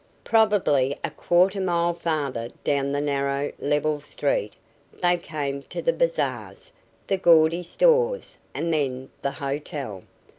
Probably a quarter mile farther down the narrow, level street they came to the bazaars, the gaudy stores, and then the hotel.